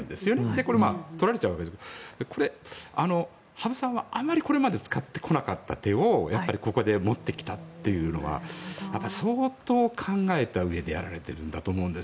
これは取られちゃうわけですが羽生さんは、これまであまり使ってこなかった手をここで持ってきたというのは相当考えたうえでやられているんだと思うんです。